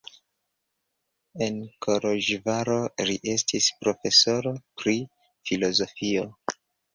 En Koloĵvaro li estis profesoro pri filozofio.